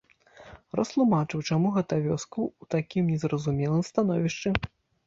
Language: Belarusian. Растлумачыў, чаму гэта вёска ў такім незразумелым становішчы.